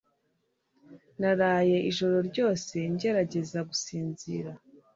Naraye ijoro ryose ngerageza gusinzira.